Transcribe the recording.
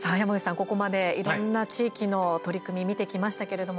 ここまでいろんな地域の取り組み見てきましたけれども。